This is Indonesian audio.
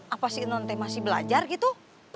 apa si enonte masih belajar gitu